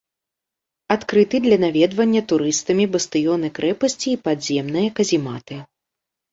Адкрыты для наведвання турыстамі бастыёны крэпасці і падземныя казематы.